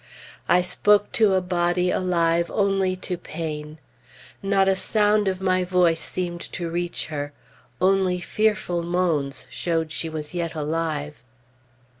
I spoke to a body alive only to pain; not a sound of my voice seemed to reach her; only fearful moans showed she was yet alive.